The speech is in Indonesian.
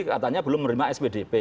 katanya belum menerima sbdp